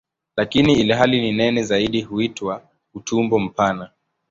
Lakini ilhali ni nene zaidi huitwa "utumbo mpana".